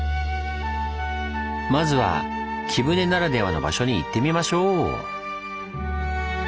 まずは貴船ならではの場所に行ってみましょう！